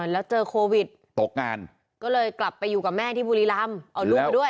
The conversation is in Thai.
แล้วเจอโควิดตกงานก็เลยกลับไปอยู่กับแม่ที่บุรีรำ